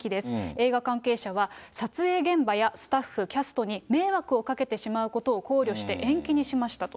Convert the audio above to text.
映画関係者は、撮影現場やスタッフ、キャストに迷惑をかけてしまうことを考慮して、延期にしましたと。